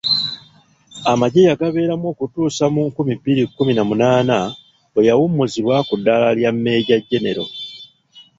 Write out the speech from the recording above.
Amagye yagabeeramu okutuusa mu nkumi bbiri kkumi na munaana bwe yawummuzibwa ku ddala lya Major General